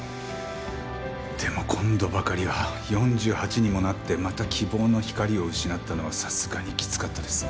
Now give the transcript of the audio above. でも今度ばかりは４８にもなってまた希望の光を失ったのはさすがにきつかったです。